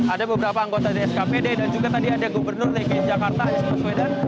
ada beberapa anggota dskpd dan juga tadi ada gubernur dki jakarta isma sweden